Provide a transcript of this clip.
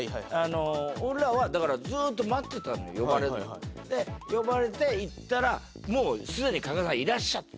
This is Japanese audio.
俺らはだからずーっと待ってたのよ呼ばれるの。で呼ばれて行ったらもうすでに加賀さんいらっしゃってて。